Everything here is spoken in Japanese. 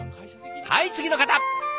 はい次の方。